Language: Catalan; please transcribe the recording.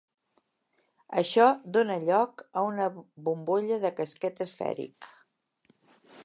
Això dóna lloc a una bombolla de casquet esfèric.